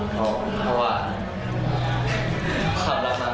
เพราะว่าขอบรับมากครับ